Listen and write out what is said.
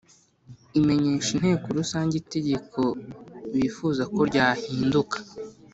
imenyesha inteko rusange itegeko bifuza ko ryahinduka.